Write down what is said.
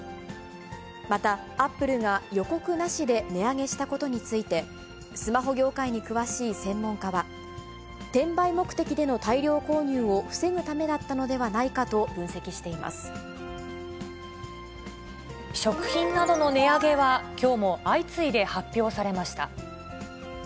また、アップルが予告なしで値上げしたことについて、スマホ業界に詳しい専門家は、転売目的での大量購入を防ぐためだったのではないかと分析してい食品などの値上げは、きょうも相次いで発表されました。